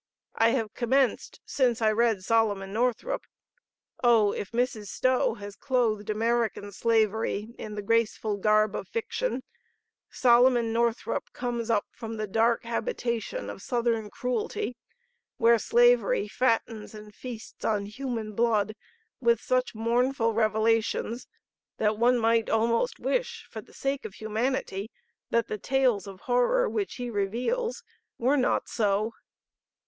I have commenced since I read Solomon Northrup. Oh, if Mrs. Stowe has clothed American slavery in the graceful garb of fiction, Solomon Northrup comes up from the dark habitation of Southern cruelty where slavery fattens and feasts on human blood with such mournful revelations that one might almost wish for the sake of humanity that the tales of horror which he reveals were not so.